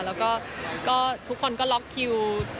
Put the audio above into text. แล้วก็ทุกคนก็ล็อกคิว